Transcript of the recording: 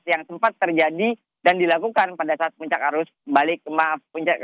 yang sempat terjadi dan dilakukan pada saat puncak arus balik puncak